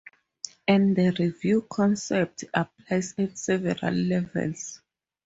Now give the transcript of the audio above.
And the review concept applies at several levels.